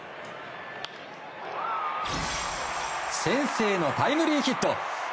先制のタイムリーヒット。